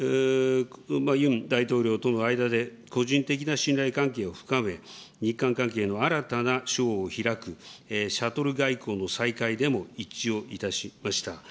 ユン大統領との間で、個人的な信頼関係を深め、日韓関係の新たな章を開く、シャトル外交の再開でも一致をいたしました。